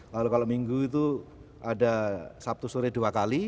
lalu kalau minggu itu ada sabtu sore dua kali